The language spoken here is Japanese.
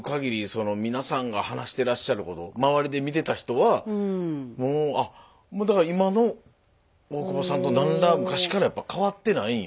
その皆さんが話してらっしゃること周りで見てた人はもうだから今の大久保さんと何ら昔からやっぱ変わってないんよ。